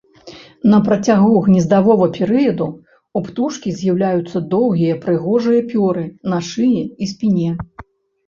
На працягу гнездавога перыяду ў птушкі з'яўляюцца доўгія прыгожыя пёры на шыі і спіне.